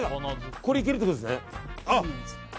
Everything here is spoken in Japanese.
これ、いけるってことですね。